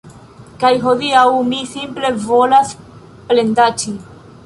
Kaj hodiaŭ mi simple volas plendaĉi